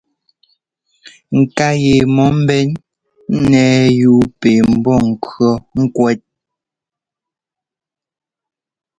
Ŋká yɛ mɔ ḿbɛn ńnɛ́ɛ yúu pɛ mbɔ́ŋkʉɔ́ ŋ́kwɛ́t.